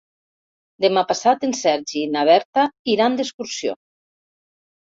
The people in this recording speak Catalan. Demà passat en Sergi i na Berta iran d'excursió.